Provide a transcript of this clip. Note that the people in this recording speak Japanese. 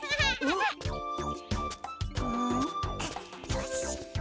よし。